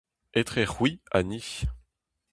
Etre c'hwi ha ni.